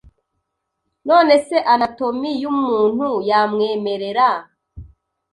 none se anatomie y’umuntu yamwemerera